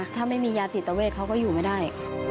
ถ้าไม่มียาจิตเวทเขาก็อยู่ไม่ได้